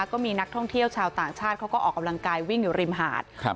ก็มีนักท่องเที่ยวชาวต่างชาติเขาก็ออกกำลังกายวิ่งอยู่ริมหาดครับ